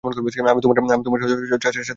আমি তোমার চাচার সাথে থেকে যাবো।